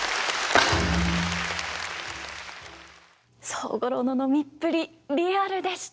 宗五郎の飲みっぷりリアルでした。